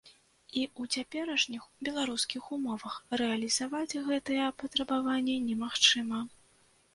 І ў цяперашніх беларускіх умовах рэалізаваць гэтыя патрабаванні немагчыма.